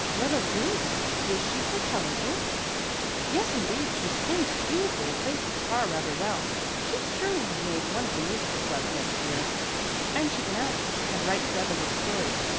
"Little goose! Is she so talented?" "Yes, indeed. She sings beautifully and plays the guitar rather well she'd surely have made one of the musical clubs next year and she can act, and write clever little stories.